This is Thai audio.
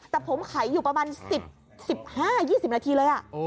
แต่ผมขายอยู่ประมาณ๑๕๒๐นาทีเลย